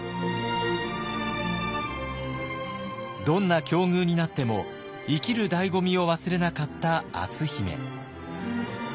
どんな境遇になっても生きるだいご味を忘れなかった篤姫。